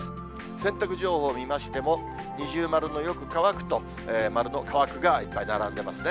洗濯情報を見ましても、二重丸のよく乾くと、丸の乾くがいっぱいならんでいますね。